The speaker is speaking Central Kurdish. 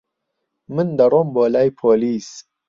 من دەڕۆم بۆ لای پۆلیس.